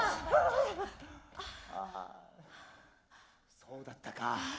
そうだったか。